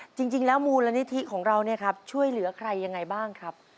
จริงแล้วมูลละนิทิของเราช่วยเหลือใครอย่างไรบ้างครับ